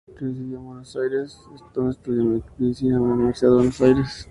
Residió en Buenos Aires, donde estudió medicina en la Universidad de Buenos Aires.